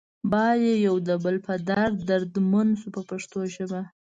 باید یو د بل په درد دردمند شو په پښتو ژبه.